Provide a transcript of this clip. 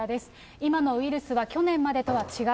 今のウイルスは去年までとは違う。